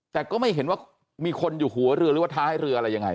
แต่ก็ไม่เห็นว่ามีคนอยู่หัวเรือหรือว่าท้ายเรืออะไรยังไง